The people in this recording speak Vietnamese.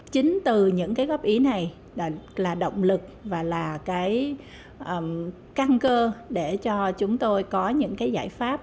chính từ những góp ý này là động lực và căng cơ để cho chúng tôi có những giải pháp